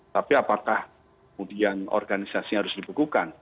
tapi apakah kemudian organisasi harus dibekukan